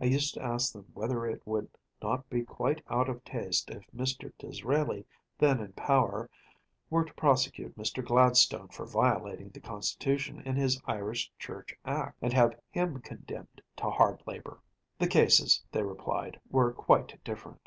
I used to ask them whether it would not be quite out of taste if Mr. Disraeli, then in power, were to prosecute Mr. Gladstone for violating the Constitution in his Irish Church Act, and have him condemned to hard labor. The cases, they replied, were quite different.